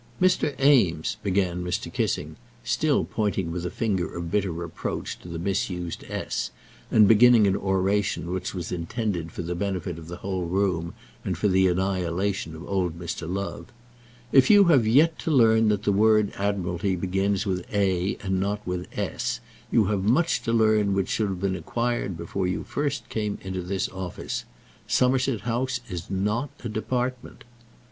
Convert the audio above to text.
"Mr. Eames," began Mr. Kissing, still pointing with a finger of bitter reproach to the misused S, and beginning an oration which was intended for the benefit of the whole room, and for the annihilation of old Mr. Love, "if you have yet to learn that the word Admiralty begins with A and not with S, you have much to learn which should have been acquired before you first came into this office. Somerset House is not a department."